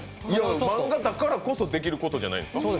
漫画だからこそできることじゃないんですか。